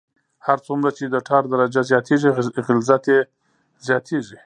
هر څومره چې د ټار درجه زیاتیږي غلظت یې زیاتیږي